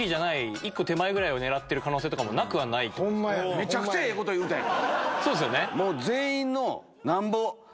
めちゃくちゃええこと言うたやん。